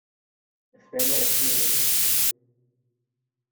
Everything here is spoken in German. Es werden auch Führungen angeboten.